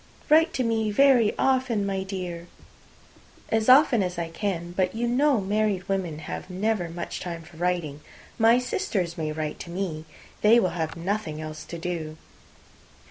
"Write to me very often, my dear." "As often as I can. But you know married women have never much time for writing. My sisters may write to me. They will have nothing else to do."